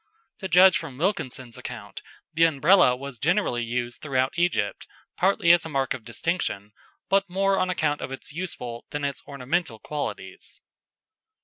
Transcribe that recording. To judge from Wilkinson's account, the Umbrella was generally used throughout Egypt, partly as a mark of distinction, but more on account of its useful than its ornamental qualities.